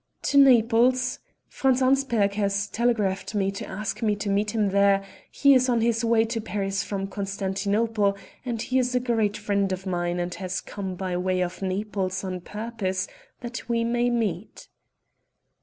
"To Naples. Franz Arnsperg has telegraphed to me to ask me to meet him there; he is on his way to Paris from Constantinople, and he is a great friend of mine and has come by way of Naples on purpose that we may meet."